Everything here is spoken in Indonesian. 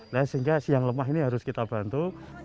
nah sehingga siang lemah ini harus kita bantu